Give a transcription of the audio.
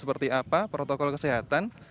seperti apa protokol kesehatan